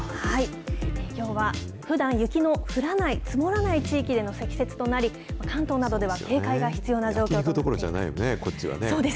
きょうは、ふだん雪の降らない、積もらない地域での積雪となり、関東などでは警戒が必要な状況です。